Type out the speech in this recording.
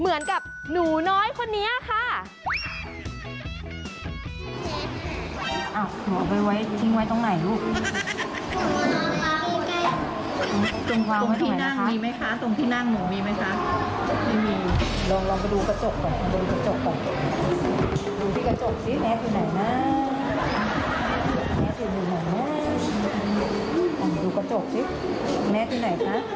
แมทอยู่ไหนนะลองไปดูกระจกสิแมทอยู่ไหนคะ